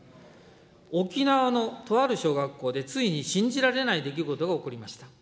沖縄のとある小学校で、ついに信じられない出来事が起こりました。